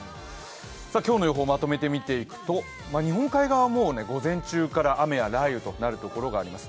今日の予報をまとめて見ていくと、日本海側はもう午前中から雨や雷雨となるところがあります。